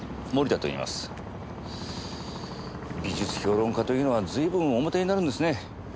美術評論家というのは随分おモテになるんですね。